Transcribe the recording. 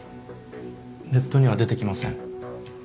ネットには出てきません。